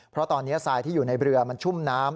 เพราะตอนนี้ทรายที่อยู่ในเรือมันชุ่มน้ำ